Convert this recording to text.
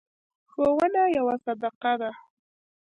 ښوونه یوه صدقه ده.